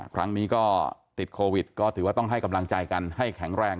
ครั้งนี้ก็ติดโควิดก็ถือว่าต้องให้กำลังใจกันให้แข็งแรง